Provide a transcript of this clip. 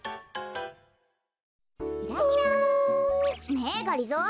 ねえがりぞー